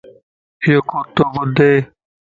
يو ڪوتو ٻڌئي